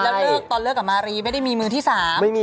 แล้วหลอกกับมารีไม่ได้มีมือที่สาม